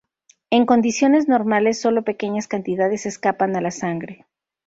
En condiciones normales sólo pequeñas cantidades escapan a la sangre.